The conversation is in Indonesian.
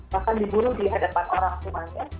bahkan dibunuh di hadapan orang rumahnya